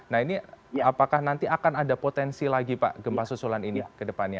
nah ini apakah nanti akan ada potensi lagi pak gempa susulan ini ke depannya